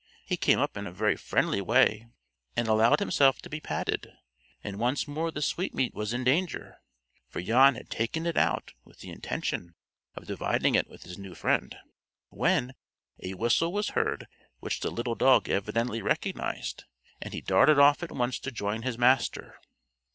He came up in a very friendly way and allowed himself to be patted; and once more the sweetmeat was in danger, for Jan had taken it out with the intention of dividing it with this new friend, when a whistle was heard which the little dog evidently recognized, and he darted off at once to join his master.